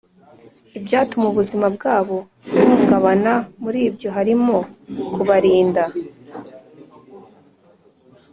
ibyatuma ubuzima bwabo buhungabana. muri ibyo harimo kubarinda